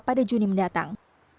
pada juni mendatang